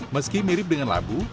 meski mirip dengan labu